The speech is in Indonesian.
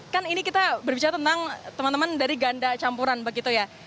kan ini kita berbicara tentang teman teman dari ganda campuran begitu ya